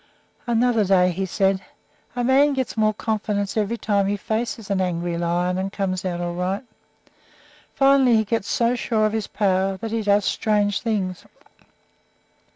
Another day he said: "A man gets more confidence every time he faces an angry lion and comes out all right. Finally he gets so sure of his power that he does strange things.